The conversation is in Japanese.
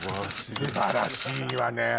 素晴らしいわね。